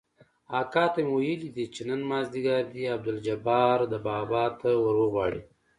اکا ته مې ويلي دي چې نن مازديګر دې عبدالجبار ده بابا ته وروغواړي.